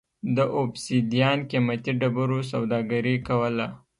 د اوبسیدیان قېمتي ډبرو سوداګري کوله.